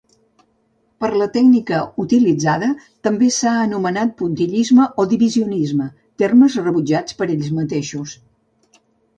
Per la tècnica utilitzada, també s'ha anomenat puntillisme o divisionisme, termes rebutjats per ells mateixos.